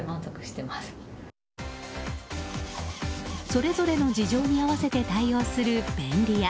それぞれの事情に合わせて対応する便利屋。